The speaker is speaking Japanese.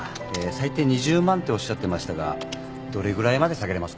最低２０万っておっしゃってましたがどれぐらいまで下げれますか？